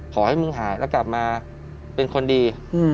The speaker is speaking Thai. ขอให้มึงหายแล้วกลับมาเป็นคนดี